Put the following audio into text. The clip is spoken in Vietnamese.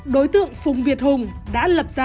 đối tượng phùng việt hùng đã lập ra